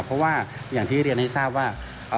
เพราะว่าอย่างที่เรียนให้ทราบว่า